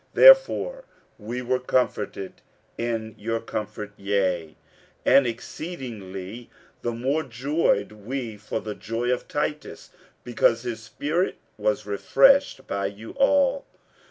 47:007:013 Therefore we were comforted in your comfort: yea, and exceedingly the more joyed we for the joy of Titus, because his spirit was refreshed by you all.